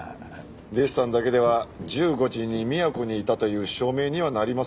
デッサンだけでは１５時に宮古にいたという証明にはなりませんね。